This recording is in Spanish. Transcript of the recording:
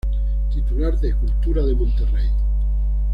Titular de Cultura de Monterrey.